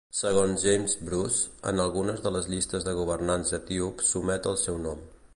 Segons James Bruce, en algunes de les llistes de governants etíops s'omet el seu nom.